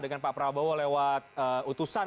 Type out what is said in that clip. dengan pak prabowo lewat utusan